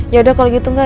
yaudah kalau gitu enggak